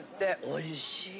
おいしい！